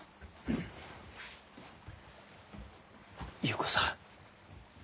優子さん